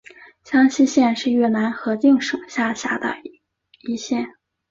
香溪县是越南河静省下辖的一县。